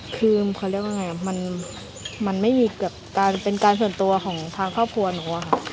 คือเขาเรียกว่าไงมันไม่มีการเป็นการส่วนตัวของทางครอบครัวหนูอะค่ะ